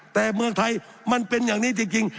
แต่เมืองไทยมันเป็นอย่างนี้จริง